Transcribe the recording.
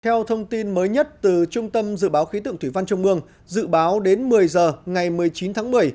theo thông tin mới nhất từ trung tâm dự báo khí tượng thủy văn trung mương dự báo đến một mươi h ngày một mươi chín tháng một mươi